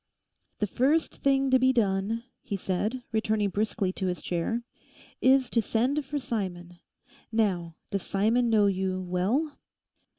'The first thing to be done,' he said, returning briskly to his chair, 'is to send for Simon. Now, does Simon know you _well?